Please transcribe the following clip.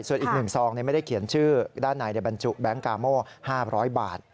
ส่วนอีก๑ซองไม่ได้เขียนชื่อด้านในบรรจุแบงค์กาโม๕๐๐บาท